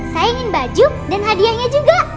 saya ingin baju dan hadiahnya juga